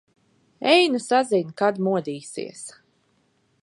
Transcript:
Ej nu sazin, kad modīsies.